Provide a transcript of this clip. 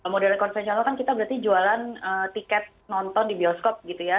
model konvensional kan kita berarti jualan tiket nonton di bioskop gitu ya